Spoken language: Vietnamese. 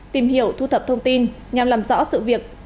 tìm hiểu thu thập thông tin nhằm làm rõ sự việc